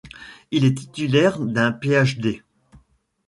Il est titulaire d'un Ph.D.